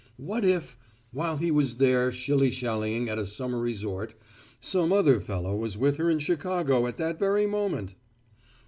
What if, while he was there shilly shallying at a summer resort, some other fellow was with her in Chicago at that very moment!